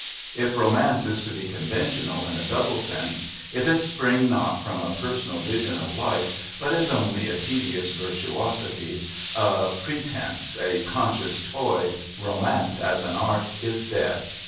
if romance is to be conventional in a double sense, if it spring not from a personal vision of life, but is only a tedious virtuosity, a pretence, a conscious toy, romance as an art is dead.